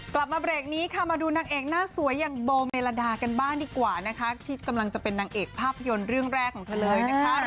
กลับมาเบรกนี้ค่ะมาดูนางเอกหน้าสวยอย่างโบเมลาดากันบ้างดีกว่านะคะที่กำลังจะเป็นนางเอกภาพยนตร์เรื่องแรกของเธอเลยนะคะ